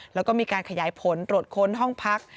แล้วก็มีการขยายผลตรวจค้นห้องพัก